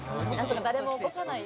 「誰も起こさないように」